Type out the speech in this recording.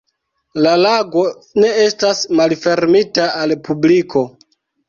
La lago ne estas malfermita al publiko.